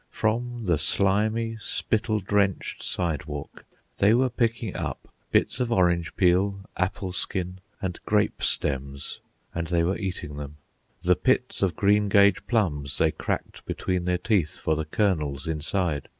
_From the slimy, spittle drenched, sidewalk, they were picking up bits of orange peel, apple skin, and grape stems, and, they were eating them. The pits of greengage plums they cracked between their teeth for the kernels inside.